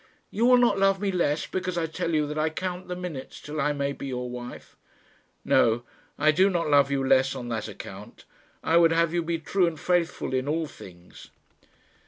You will not love me less because I tell you that I count the minutes till I may be your wife." "No; I do not love you less on that account. I would have you be true and faithful in all things."